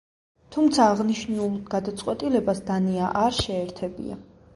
თუმცა აღნიშნულ გადაწყვეტილებას დანია არ შეერთებია.